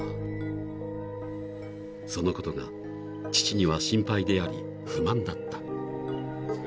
［そのことが父には心配であり不満だった］